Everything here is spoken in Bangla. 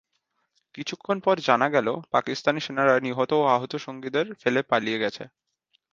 কিছুক্ষণ পর জানা গেল, পাকিস্তানি সেনারা নিহত ও আহত সঙ্গীদের ফেলে পালিয়ে গেছে।